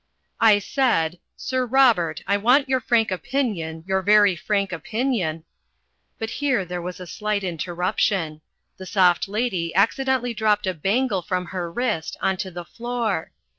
"I said, 'Sir Robert, I want your frank opinion, your very frank opinion '" But here there was a slight interruption. The Soft Lady accidentally dropped a bangle from her wrist on to the floor.